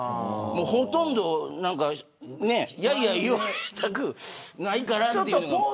ほとんど、やいやい言われたくないからっていう。